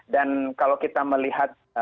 dan kalau kita melihat